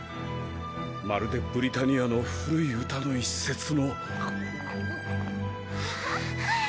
まるでブリタニアの古い詩の一節の。